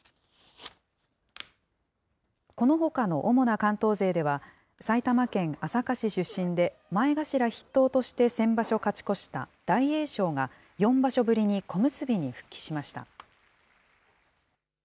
このほかの主な関東勢では、埼玉県朝霞市出身で、前頭筆頭として先場所勝ち越した大栄翔が４場所ぶりに小結に復帰しました。